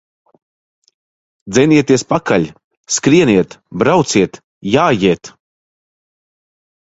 Dzenieties pakaļ! Skrieniet, brauciet, jājiet!